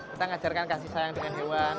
kita ngajarkan kasih sayang dengan hewan